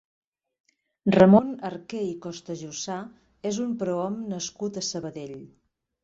Ramon Arquer i Costajussà és un prohom nascut a Sabadell.